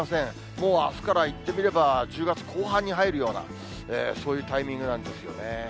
もうあすから、言ってみれば１０月後半に入るような、そういうタイミングなんですよね。